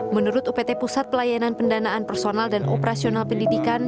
menurut upt pusat pelayanan pendanaan personal dan operasional pendidikan